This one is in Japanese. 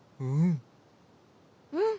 うん。